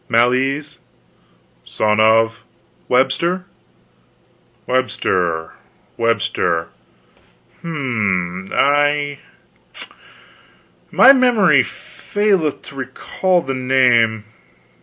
"Mal ease." "Son of?" "Webster." "Webster Webster. H'm I my memory faileth to recall the name.